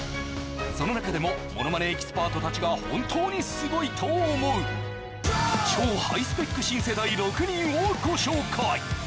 その中でもものまねエキスパート達が本当にすごいと思う超ハイスペック新世代６人をご紹介